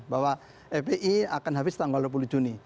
bahwa fpi akan habis tanggal dua puluh juni